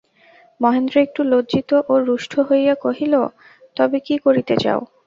মহেন্দ্র একটু লজ্জিত ও রুষ্ট হইয়া কহিল, তবে কী করিতে চাও!